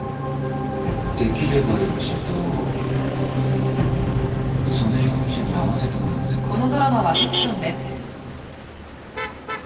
できれば一度曽根容疑者に会わせてもらえませんかね？